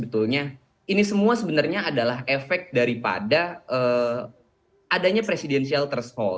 tetap bersama kami di political show